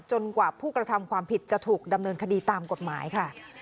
กว่าผู้กระทำความผิดจะถูกดำเนินคดีตามกฎหมายค่ะ